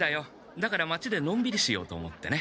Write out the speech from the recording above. だから町でのんびりしようと思ってね。